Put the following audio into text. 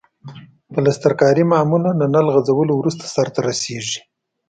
پلسترکاري معمولاً له نل غځولو وروسته سرته رسیږي.